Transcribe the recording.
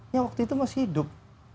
yang waktu itu masih hidup